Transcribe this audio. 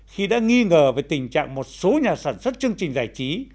khi đã nghi ngờ về tình trạng một số nhà sản xuất chương trình giải trí